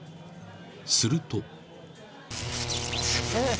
［すると］